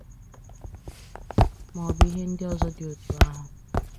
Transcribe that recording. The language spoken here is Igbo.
maọbụ ihe ndị ọzọ dị otu ahụ